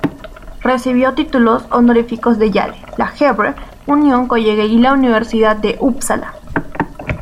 Recibió títulos honoríficos de Yale, la Hebrew Union College y la Universidad de Upsala.